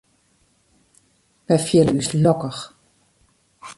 Wy fiele ús lokkich.